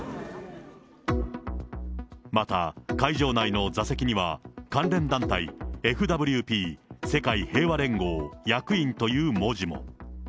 また会場内の座席には、関連団体、ＦＷＰ・世界平和連合役員という文字も。